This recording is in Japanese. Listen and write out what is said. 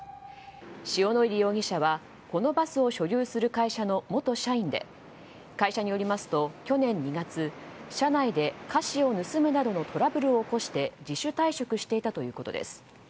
塩野入容疑者はこのバスを所有する会社の元社員で、会社によりますと去年２月、社内で菓子を盗むなどのトラブルを起こして自主退職していたということです。